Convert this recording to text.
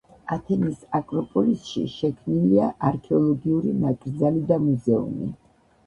ათენის აკროპოლისში შექმნილია არქეოლოგიური ნაკრძალი და მუზეუმი.